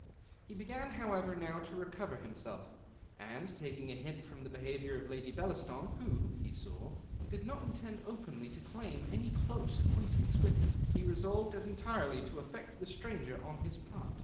He began, however, now to recover him self ; and taking a hint from the behaviour of Lady Bellaston, who, he saw, did not intend openly to claim any close acquaintance with him, he resolved as entirely to affect the stranger on his part.